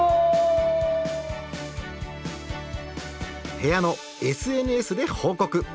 部屋のＳＮＳで報告。